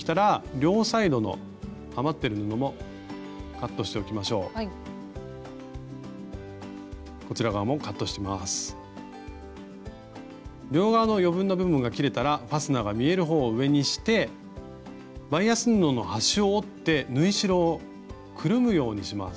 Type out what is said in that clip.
両側の余分な部分が切れたらファスナーが見えるほうを上にしてバイアス布の端を折って縫い代をくるむようにします。